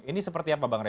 ini seperti apa